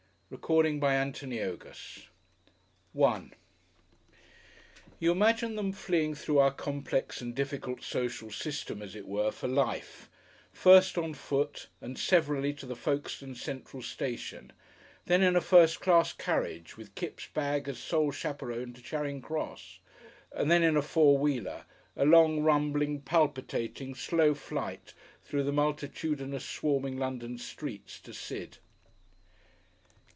CHAPTER IX THE LABYRINTHODON §1 You imagine them fleeing through our complex and difficult social system, as it were, for life, first on foot and severally to the Folkestone Central Station; then in a first class carriage, with Kipps' bag as sole chaperone to Charing Cross, and then in a four wheeler, a long, rumbling, palpitating, slow flight through the multitudinous swarming London streets to Sid.